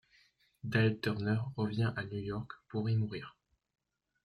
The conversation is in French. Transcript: Dale Turner revient à New York pour y mourir.